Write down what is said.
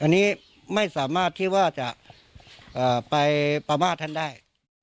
อันนี้ไม่สามารถที่ว่าจะไปประมาทท่านได้